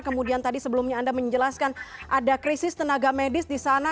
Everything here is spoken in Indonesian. kemudian tadi sebelumnya anda menjelaskan ada krisis tenaga medis di sana